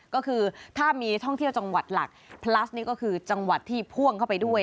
ก็คือถ้ามีท่องเที่ยวจังหวัดหลักพลัสนี่ก็คือจังหวัดที่พ่วงเข้าไปด้วย